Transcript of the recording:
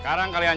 kau yang pegang